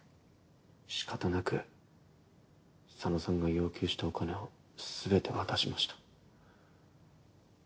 しかたなく佐野さんが要求したお金をすべて渡しました。